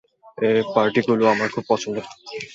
এই পার্টিগুলো আমার খুব পছন্দের।